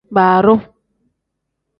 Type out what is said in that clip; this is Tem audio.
Baaroo.